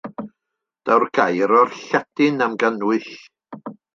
Daw'r gair o'r Lladin am gannwyll.